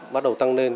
bắt đầu tăng lên